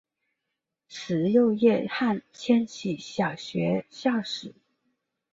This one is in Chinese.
慈幼叶汉千禧小学校史